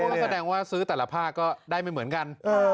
ก็แสดงว่าซื้อแต่ละภาคก็ได้ไม่เหมือนกัน